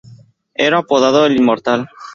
Era apodado "El Inmortal".